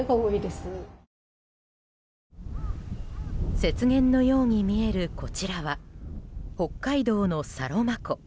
雪原のように見えるこちらは北海道のサロマ湖。